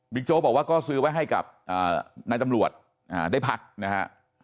โจ๊กบอกว่าก็ซื้อไว้ให้กับนายตำรวจได้พักนะฮะ